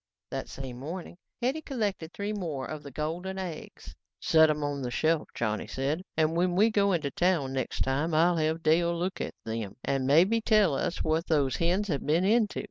That same morning, Hetty collected three more of the golden eggs. "Set 'em on the shelf," Johnny said, "and when we go into town next time I'll have Dale look at them and maybe tell us what those hens have been into.